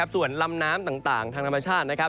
ส่วนลำน้ำต่างทางธรรมชาติ